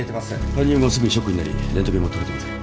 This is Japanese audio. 搬入後すぐにショックになりレントゲンもとれていません。